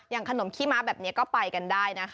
อย่างขนมขี้ม้าแบบนี้ก็ไปกันได้